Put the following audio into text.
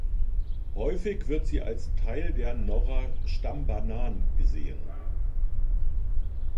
Häufig wird sie als Teil der Norra stambanan gesehen.